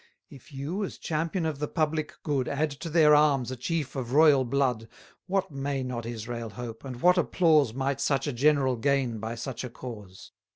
If you, as champion of the public good, Add to their arms a chief of royal blood, What may not Israel hope, and what applause Might such a general gain by such a cause?